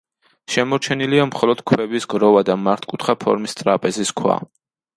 შემორჩენილია მხოლოდ ქვების გროვა და მართკუთხა ფორმის ტრაპეზის ქვა.